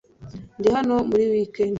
Ndi hano muri wikendi .